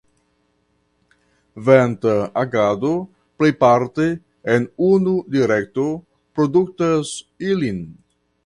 Venta agado plejparte en unu direkto produktas ilin.